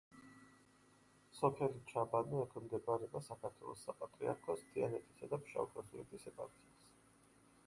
სოფელი ჩაბანო ექვემდებარება საქართველოს საპატრიარქოს თიანეთისა და ფშავ-ხევსურეთის ეპარქიას.